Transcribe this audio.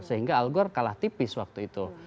sehingga algor kalah tipis waktu itu